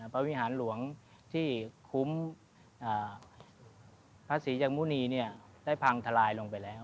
วิหารหลวงที่คุ้มพระศรีจังมุณีได้พังทลายลงไปแล้ว